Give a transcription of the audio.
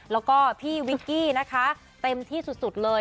แล้วก็พี่วิกกี้นะคะเต็มที่สุดเลย